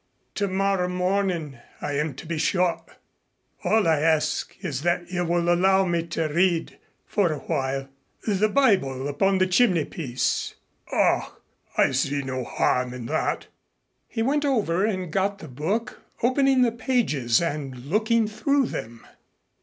Tomorrow morning I am to be shot. All I ask is that you will allow me to read for a while the Bible upon the chimneypiece." "Ach! I see no harm in that." He went over and got the book, opening the pages and looking through them.